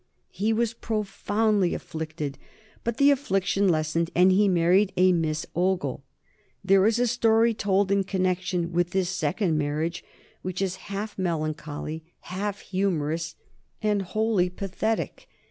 He was profoundly afflicted, but the affliction lessened and he married a Miss Ogle. There is a story told in connection with this second marriage which is half melancholy, half humorous, and wholly pathetic.